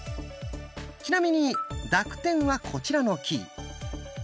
ちなみに濁点はこちらのキー。